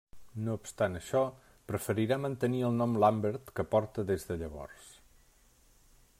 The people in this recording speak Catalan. No obstant això, preferirà mantenir el nom Lambert que porta des de llavors.